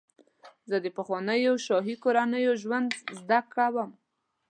زه د پخوانیو شاهي کورنیو ژوند زدهکړه کوم.